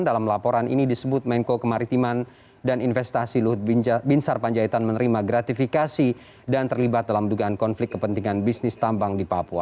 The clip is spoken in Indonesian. dalam laporan ini disebut menko kemaritiman dan investasi luhut binsar panjaitan menerima gratifikasi dan terlibat dalam dugaan konflik kepentingan bisnis tambang di papua